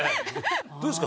どうですか？